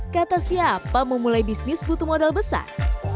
kata siapa memulai bisnis butuh modal besar